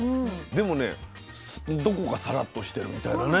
でもねどこかさらっとしてるみたいなね。